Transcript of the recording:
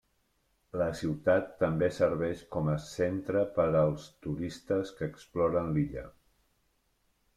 La ciutat també serveix com a centre per als turistes que exploren l'illa.